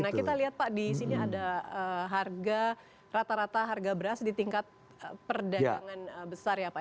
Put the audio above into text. nah kita lihat pak di sini ada harga rata rata harga beras di tingkat perdagangan besar ya pak